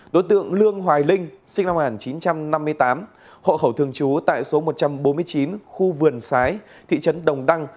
đối tượng lương hoài linh sinh năm một nghìn chín trăm năm mươi tám hộ khẩu thường trú tại số một trăm bốn mươi chín khu vườn sái thị trấn đồng đăng